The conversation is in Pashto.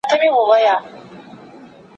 د اقتصادي چارو کارپوهان نوي طرحي وړاندې کوي.